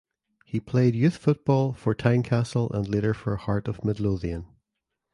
He played youth football for Tynecastle and later for Heart of Midlothian.